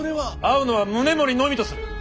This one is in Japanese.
会うのは宗盛のみとする。